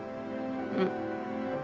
うん。